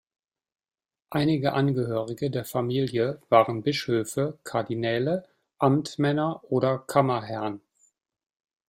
Einige Angehörige der Familie waren Bischöfe, Kardinäle, Amtmänner oder Kammerherrn.